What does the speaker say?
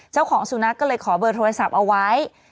เจ้าของสุนัขก็เลยขอเบอร์โทรศัพท์เอาไว้